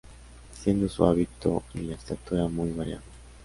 Siendo su hábito y la estatura muy variable.